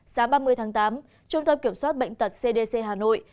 sáng ba mươi tháng tám trung tâm kiểm soát bệnh tật cdc hà nội